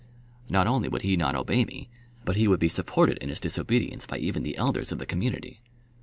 Not only would he not obey me, but he would be supported in his disobedience by even the elders of the community.